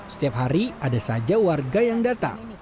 setiap hari ada saja warga yang datang